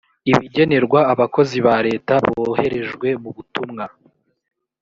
ibigenerwa abakozi ba leta boherejwe mu butumwa